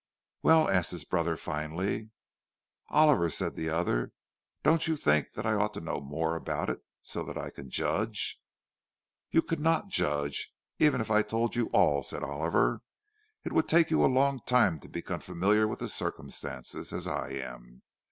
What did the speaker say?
"Well?" asked his brother, finally. "Oliver," said the other, "don't you think that I ought to know more about it, so that I can judge?" "You could not judge, even if I told you all," said Oliver. "It would take you a long time to become familiar with the circumstances, as I am.